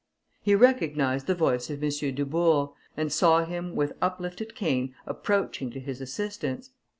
He recognised the voice of M. Dubourg, and saw him, with uplifted cane, approaching to his assistance.